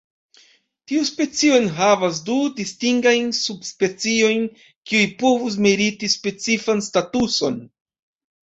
Tiu specio enhavas du distingajn subspeciojn kiuj povus meriti specifan statuson.